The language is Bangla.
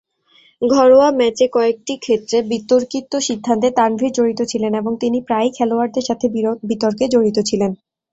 ঘরোয়া ম্যাচে কয়েকটি ক্ষেত্রের বিতর্কিত সিদ্ধান্তে তানভীর জড়িত ছিলেন এবং তিনি প্রায়ই খেলোয়াড়দের সাথে বিতর্কে জড়িত ছিলেন।